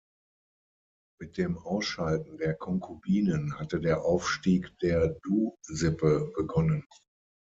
Mit dem Ausschalten der Konkubinen hatte der Aufstieg der Dou-Sippe begonnen.